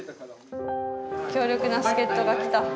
強力な助っとが来た。